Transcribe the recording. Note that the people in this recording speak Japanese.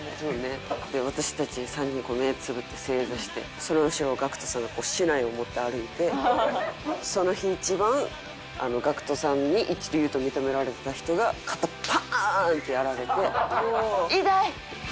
私たち３人目をつぶって正座してその後ろをＧＡＣＫＴさんが竹刀を持って歩いてその日一番ＧＡＣＫＴさんに一流と認められた人が肩パーンッ！ってやられて。